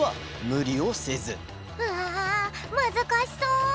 うわむずかしそう。